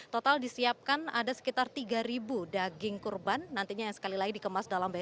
total disiapkan ada sekitar tiga daging kurban nantinya yang sekali lagi dikemas dalam bebek